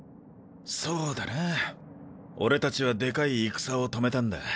そうだな俺たちはでかい戦を止めたんだ。